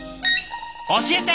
教えて！